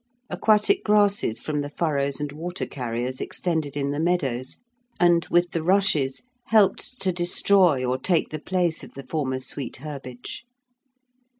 Aquatic grasses from the furrows and water carriers extended in the meadows, and, with the rushes, helped to destroy or take the place of the former sweet herbage.